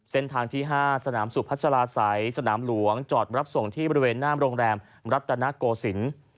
เส้นทางที่๕สนามสุพัชลาศัยสนามหลวงจอดรับส่งที่บริเวณหน้าโรงแรมรัตนโกศิลป์